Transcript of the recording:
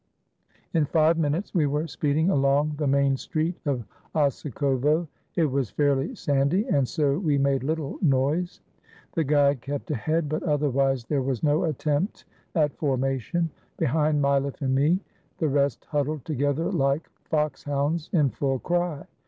In five minutes we were speeding along the main street of Osikovo. It was fairly sandy, and so we made little noise. The guide kept ahead, but otherwise there was no attempt at formation. Behind Mileff and me, the rest huddled together like fox hounds in full cry.